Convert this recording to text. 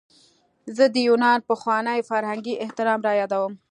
زه د یونان پخوانی فرهنګي احترام رایادوم.